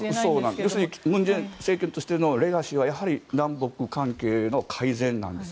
要するに文在寅政権としてのレガシーはやはり南北関係の改善なんです。